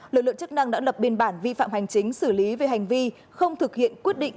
lực lượng chức năng đã lập biên bản vi phạm hành chính xử lý về hành vi không thực hiện quyết định